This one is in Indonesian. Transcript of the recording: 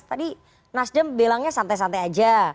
tadi nasdem bilangnya santai santai aja